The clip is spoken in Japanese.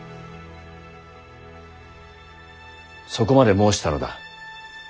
そこまで申したのだ。